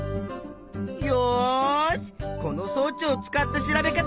よしこのそう置を使った調べ方